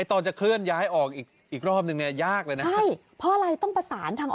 ตอนจะเคลื่อนย้ายออกอีกอีกรอบนึงเนี่ยยากเลยนะใช่เพราะอะไรต้องประสานทางอ